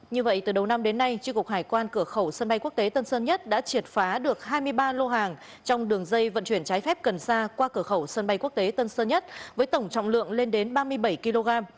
như vậy từ đầu năm đến nay tri cục hải quan cửa khẩu sân bay quốc tế tân sơn nhất đã triệt phá được hai mươi ba lô hàng trong đường dây vận chuyển trái phép cần xa qua cửa khẩu sân bay quốc tế tân sơn nhất với tổng trọng lượng lên đến ba mươi bảy kg